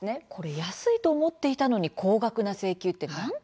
安いと思っていたのに高額な請求